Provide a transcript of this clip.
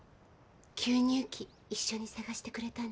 吸入器一緒に捜してくれたんでしょ？